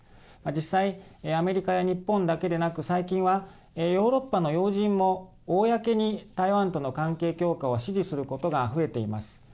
実際、アメリカや日本だけでなく最近はヨーロッパの要人も公に台湾との関係強化を支持することが増えています。